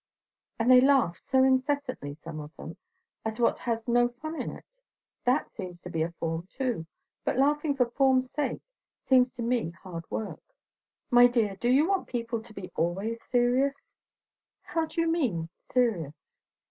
And they laugh so incessantly, some of them, at what has no fun in it. That seems to be a form too; but laughing for form's sake seems to me hard work." "My dear, do you want people to be always serious?" "How do you mean, 'serious'?"